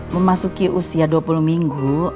memasuki usia dua puluh minggu